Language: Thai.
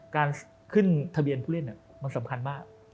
การขึ้นทะเบียนผู้เล่นมันสำคัญมาก